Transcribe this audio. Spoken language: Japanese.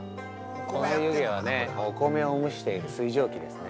◆この湯気はね、お米を蒸している水蒸気ですね。